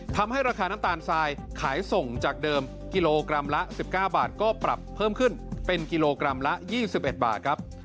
ทำให้ราคาน้ำตาลทรายขายส่งจากเดิมกิโลกรัมละ๑๙บาทก็ปรับเพิ่มขึ้นเป็นกิโลกรัมละ๒๑บาทครับ